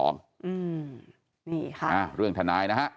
นี่ค่ะเรื่องธนายนะครับ